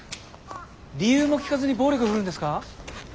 理由も聞かずに暴力振るうんですか？